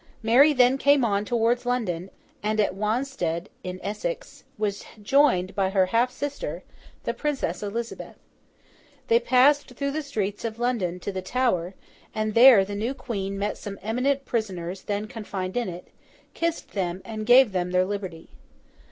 Mary then came on towards London; and at Wanstead in Essex, was joined by her half sister, the Princess Elizabeth. They passed through the streets of London to the Tower, and there the new Queen met some eminent prisoners then confined in it, kissed them, and gave them their liberty.